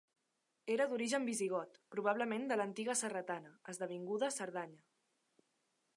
Era d'origen visigot, probablement de l'antiga Cerretana, esdevinguda Cerdanya.